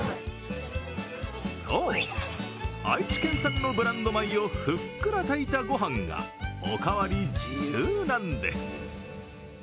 そう、愛知県産のブランド米をふっくら炊いたごはんがお代わり自由なんです。